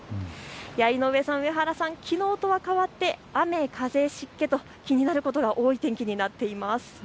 井上さん、上原さん、きのうとは変わって雨、風、湿気と気になることが多い天気になっています。